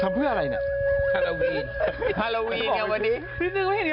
ทำเพื่ออะไรเนี่ย